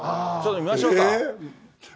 見ましょうか。